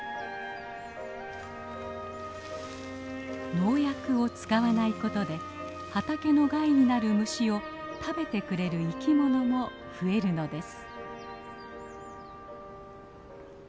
農薬を使わないことで畑の害になる虫を食べてくれる生きものも増えるのです。